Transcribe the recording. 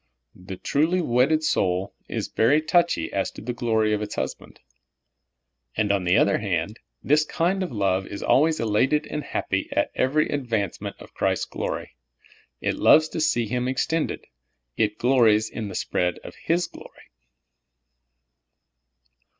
The truly wedded soul is ver}^ touch}' as to the glor}' of its hus band. And, on the other hand, this kind of love is al ways elated and happy at every advancement of Christ's glor3^ It loves to see Him extended ; it glories in the spread of His glory.